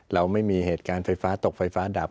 เราไม่มีเหตุการณ์ไฟฟ้าตกไฟฟ้าดับ